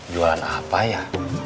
jualan apa ya